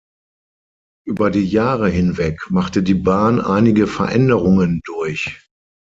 Über die Jahre hinweg machte die Bahn einige Veränderungen durch.